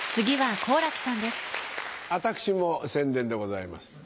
私も宣伝でございます。